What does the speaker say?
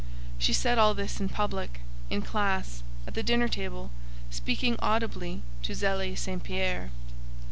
She said all this in public, in classe, at the dinner table, speaking audibly to Zélie St. Pierre.